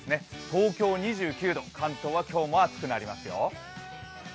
東京２９度、関東は今日も暑くなりますよ。